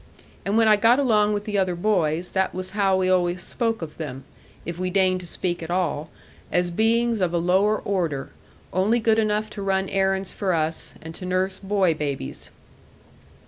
And when I got along with the other boys, that was how we always spoke of them, if we deigned to speak at all, as beings of a lower order, only good enough to run errands for us, and to nurse boy babies.